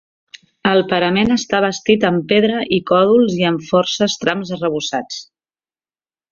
El parament està bastit amb pedra i còdols i amb forces trams arrebossats.